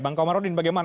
bang komarudin bagaimana